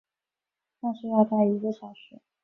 但是要待一个小时